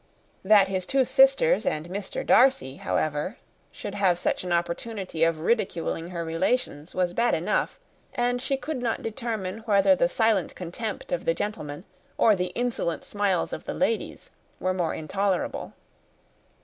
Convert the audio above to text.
That his two sisters and Mr. Darcy, however, should have such an opportunity of ridiculing her relations was bad enough; and she could not determine whether the silent contempt of the gentleman, or the insolent smiles of the ladies, were more intolerable.